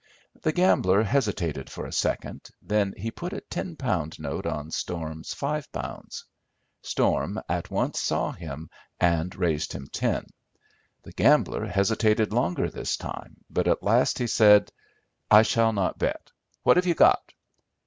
The gambler hesitated for a second, then he put a ten pound note on Storm's five pounds. Storm at once saw him, and raised him ten. The gambler hesitated longer this time, but at last he said, "I shall not bet. What have you got?"